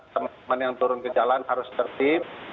teman teman yang turun ke jalan harus tertib